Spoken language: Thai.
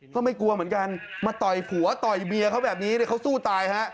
ก็ไม่กลัวเหมือนกันมาต่อยผัวต่อยเบียเขาแบบนี้เดี๋ยวเขาสู้ตายฮะ